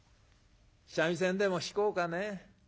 三味線でも弾こうかね。